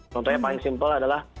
contohnya paling simpel adalah